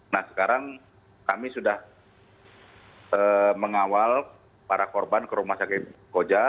nah sekarang kami sudah mengawal para korban ke rumah sakit koja